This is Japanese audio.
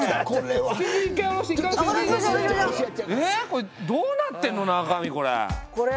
これどうなってんの中身これ。